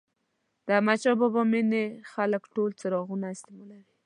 د احمدشاه بابا مېنې خلک ټول څراغونه استعمالوي.